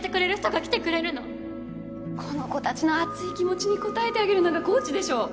この子たちの熱い気持ちに応えてあげるのがコーチでしょ！